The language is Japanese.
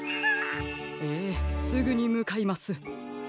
ええすぐにむかいます。